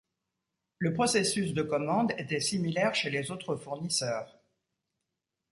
Le processus de commande était similaire chez les autres fournisseurs.